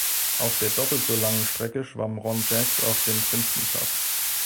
Auf der doppelt so langen Strecke schwamm Ron Jacks auf den fünften Platz.